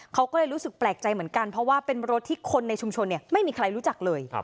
เขาก็เลยรู้สึกแปลกใจเหมือนกันเพราะว่าเป็นรถที่คนในชุมชนไม่มีใครรู้จักเลย